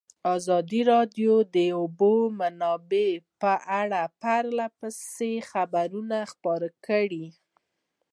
ازادي راډیو د د اوبو منابع په اړه پرله پسې خبرونه خپاره کړي.